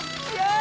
あ！